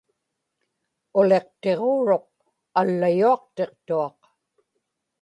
uliqtiġuuruq allayuaqtiqtuaq